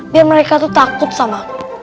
biar mereka tuh takut sama